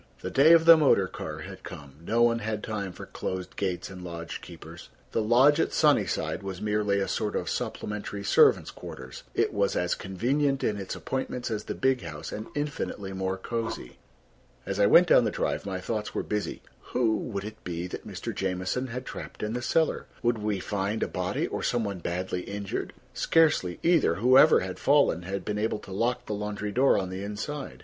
The day of the motor car had come; no one had time for closed gates and lodge keepers. The lodge at Sunnyside was merely a sort of supplementary servants' quarters: it was as convenient in its appointments as the big house and infinitely more cozy. As I went down the drive, my thoughts were busy. Who would it be that Mr. Jamieson had trapped in the cellar? Would we find a body or some one badly injured? Scarcely either. Whoever had fallen had been able to lock the laundry door on the inside.